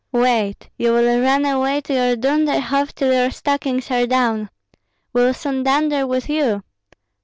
Wait! you will run away to your Dunderhoff till your stockings are down. We'll soon dunder with you.